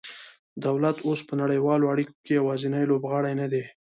دولت اوس په نړیوالو اړیکو کې یوازینی لوبغاړی نه دی